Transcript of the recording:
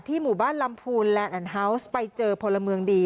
หมู่บ้านลำพูนแลนดแอนฮาวส์ไปเจอพลเมืองดี